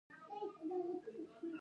غوا د روغتیا لپاره ارزښتناکه ده.